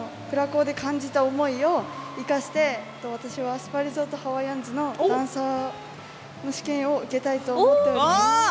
甲で感じた思いを生かして私はスパリゾートハワイアンズのダンサーの試験を受けたいと思っております。